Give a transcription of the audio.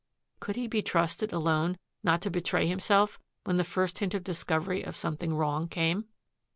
Could he be trusted alone not to betray himself when the first hint of discovery of something wrong came?